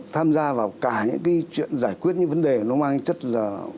tham gia vào cả những cái chuyện giải quyết những vấn đề nó mang chất là